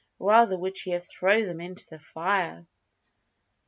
Rather would she have thrown them into the fire.